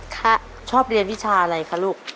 ชอบเรียนวิชาอะไรคะลูก